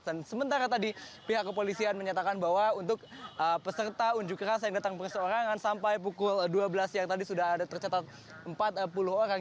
dan sementara tadi pihak kepolisian menyatakan bahwa untuk peserta unjukeras yang datang bersorangan sampai pukul dua belas siang tadi sudah ada tercatat empat puluh orang